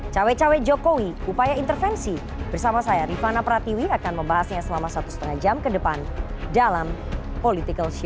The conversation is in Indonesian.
cawe cawe jokowi upaya intervensi bersama saya rifana pratiwi akan membahasnya selama satu lima jam ke depan dalam political show